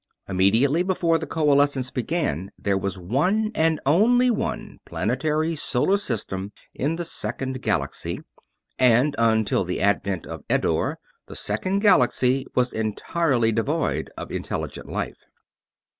Immediately before the Coalescence began there was one, and only one, planetary solar system in the Second Galaxy; and, until the advent of Eddore, the Second Galaxy was entirely devoid of intelligent life.